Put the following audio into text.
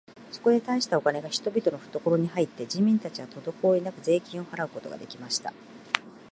そこで大したお金が人々のふところに入って、人民たちはとどこおりなく税金を払うことが出来ました。